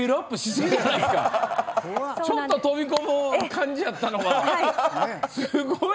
ちょっと飛び込む感じやったのが。